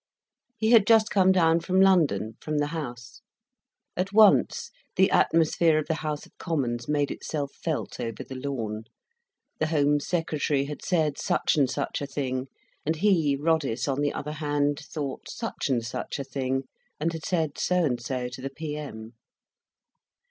He had just come down from London, from the House. At once the atmosphere of the House of Commons made itself felt over the lawn: the Home Secretary had said such and such a thing, and he, Roddice, on the other hand, thought such and such a thing, and had said so and so to the PM.